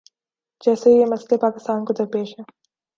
جیسے یہ مسئلہ پاکستان کو درپیش ہے۔